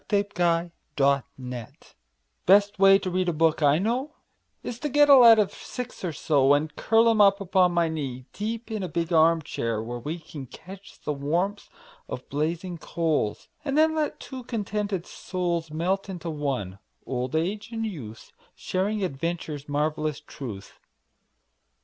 Best Way to Read a Book Best way to read a book I know Is get a lad of six or so, And curl him up upon my knee Deep in a big arm chair, where we Can catch the warmth of blazing coals, And then let two contented souls Melt into one, old age and youth, Sharing adventure's marvelous truth.